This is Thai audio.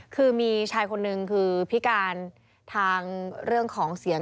คือมีชายคนนึงคือพิการทางเรื่องของเสียง